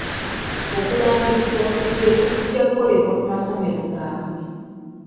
Okulambikibwa ku bigezo kujja kukolebwa ku masomero gaabwe.